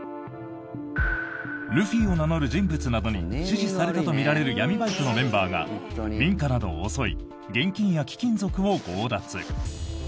ルフィを名乗る人物などに指示されたとみられる闇バイトのメンバーが民家などを襲い現金や貴金属を強奪。